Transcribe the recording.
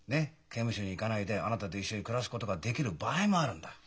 刑務所に行かないであなたと一緒に暮らすことができる場合もあるんだ。